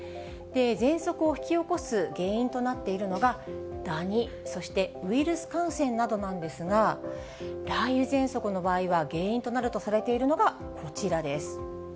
ぜんそくを引き起こす原因となっているのがダニ、そしてウイルス感染などなんですが、雷雨ぜんそくの場合は、原因となるとされているのがこちらです。